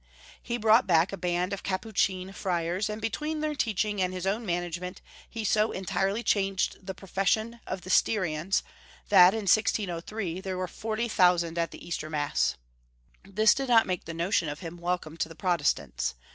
He brought back a band of Capuchin Friars, and between their teaching and his own management he so entirely changed the profession of the Styrians that, in 1603, there were 40,000 at the Easter Mass. This did not make the notion of him welcome to the Protestants.